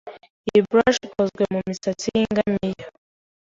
Iyi brush ikozwe mumisatsi yingamiya.